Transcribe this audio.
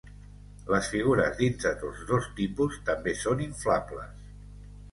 Les figures dins de tots dos tipus també són inflables.